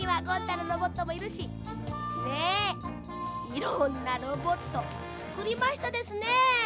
いろんなロボットつくりましたですね。